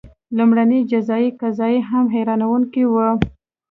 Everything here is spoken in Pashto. لومړنۍ جزايي قضیه هم حیرانوونکې وه.